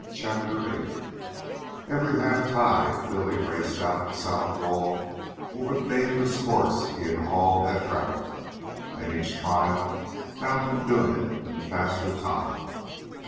CHAPTER VIII Every half tide Billy raced out the south wall over the dangerous course he and Hall had traveled, and each trial found him doing it in faster time.